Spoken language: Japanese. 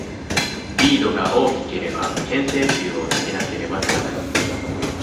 リードが大きければ、牽制球を投げなければならない。